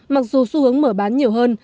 mặc dù xu hướng mở bán nhiều hơn